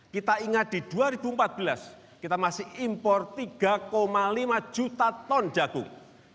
kita ingat di dua ribu empat belas kita masih impor tiga lima juta ton jagung